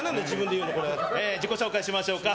自己紹介しましょうか。